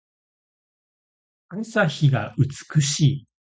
朝日が美しい。